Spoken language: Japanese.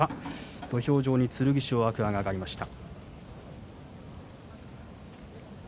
土俵上に剣翔と天空海が上がりました。